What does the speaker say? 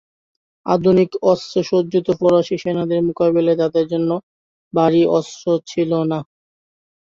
আধুনিক অস্ত্রে সজ্জিত ফরাসি সেনাদের মোকাবেলায় তাদের কাছে ভারি অস্ত্র ছিল না।